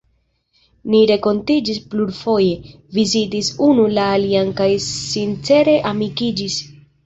Ni renkontiĝis plurfoje, vizitis unu la alian kaj sincere amikiĝis.